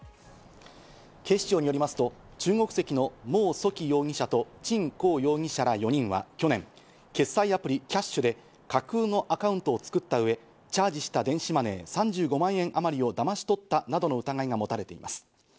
警視庁によりますと、中国籍のモウ・ソキ容疑者とチン・コウ容疑者ら４人は去年、決済アプリ・Ｋｙａｓｈで架空のアカウントを作った上、チャージした電子マネー３５万円あまりをだまし取ったなどの疑いが持たれています。